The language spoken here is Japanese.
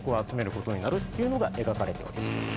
集めることになるっていうのが描かれております。